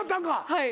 はい。